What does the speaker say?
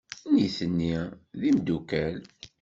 Nitni d imeddukal.